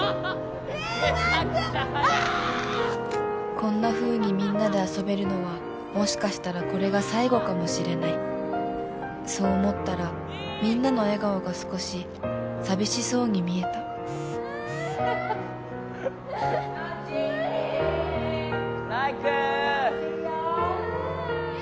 こんなふうにみんなで遊べるのはもしかしたらこれが最後かもしれないそう思ったらみんなの笑顔が少し寂しそうに見えたノジ来